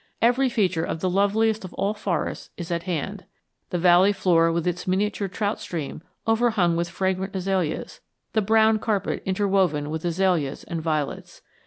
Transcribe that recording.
Every feature of the loveliest of all forests is at hand: the valley floor with its miniature trout stream overhung with fragrant azaleas; the brown carpet interwoven with azaleas and violets.